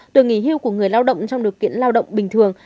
tuổi nghỉ hưu của người lao động trong điều kiện lao động bình thường